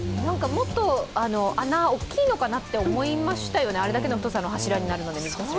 もっと穴は大きいのかなと思いましたよね、あれだけの太さの柱になるので。